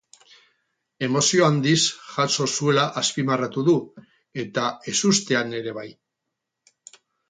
Emozio handiz jaso zuela azpimarratu du eta ezustean ere bai.